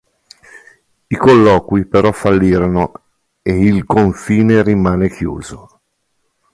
I colloqui però fallirono e il confine rimane chiuso.